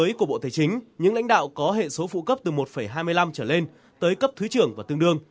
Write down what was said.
mới của bộ tài chính những lãnh đạo có hệ số phụ cấp từ một hai mươi năm trở lên tới cấp thứ trưởng và tương đương